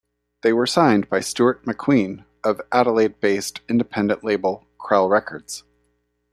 They were signed by Stuart MacQueen of Adelaide-based independent label, Krell Records.